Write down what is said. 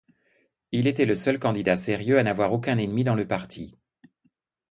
Il était le seul candidat sérieux à n'avoir aucun ennemi dans le parti.